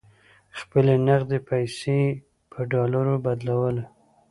خپلې نغدې پیسې یې پر ډالرو بدلولې.